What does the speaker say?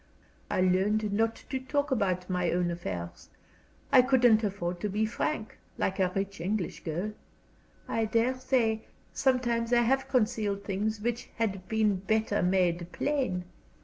I learned not to talk about my own affairs. I couldn't afford to be frank, like a rich English girl. I dare say, sometimes I have concealed things which had been better made plain.